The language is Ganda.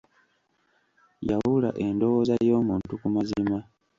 Yawula endowooza y'omuntu ku mazima.